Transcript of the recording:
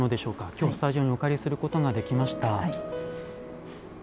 今日スタジオにお借りすることができました。